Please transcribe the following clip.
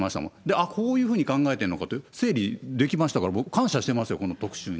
あっ、こういうふうに考えてるのかとか整理できましたから、僕、感謝してますよ、この特集に。